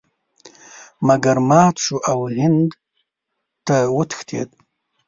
مګر مات شو او هند ته وتښتېد.